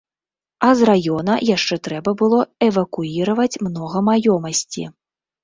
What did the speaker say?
А з раёна яшчэ трэба было эвакуіраваць многа маёмасці.